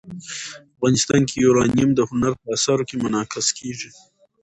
افغانستان کې یورانیم د هنر په اثار کې منعکس کېږي.